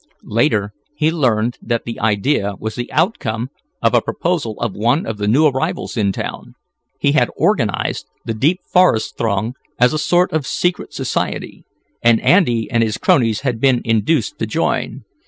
Later he learned that the idea was the outcome of a proposal of one of the new arrivals in town. He had organized the "Deep Forest Throng," as a sort of secret society, and Andy and his cronies had been induced to join.